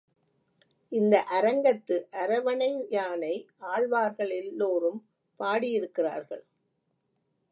இந்த அரங்கத்து அரவணையானை ஆழ்வார்கள் எல்லோரும் பாடியிருக்கிறார்கள்.